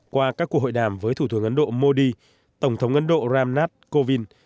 qua các cuộc hội đàm với thủ tướng ấn độ modi tổng thống ấn độ ram nath kovind